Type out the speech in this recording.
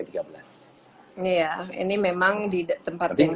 iya ini memang di tempat pengungsi